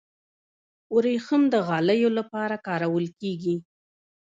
وریښم د غالیو لپاره کارول کیږي.